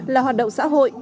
là hoạt động xã hội